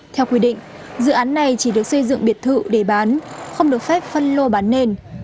theo quy định dự án này chỉ được xây dựng biệt thự để bán không được phép phân lô bán nền